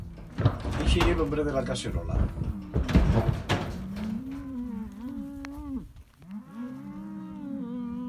Ixe ye l'hombre de la caserola.